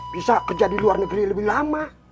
bisa kerja di luar negeri lebih lama